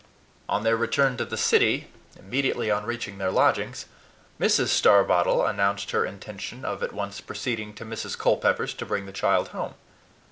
On their return to the city, immediately on reaching their lodgings, Mrs. Starbottle announced her intention of at once proceeding to Mrs. Culpepper's to bring the child home.